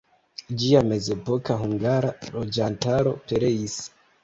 Ĝia mezepoka hungara loĝantaro pereis.